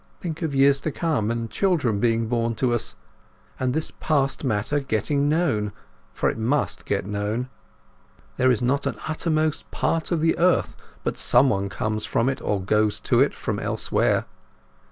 Think of years to come, and children being born to us, and this past matter getting known—for it must get known. There is not an uttermost part of the earth but somebody comes from it or goes to it from elsewhere.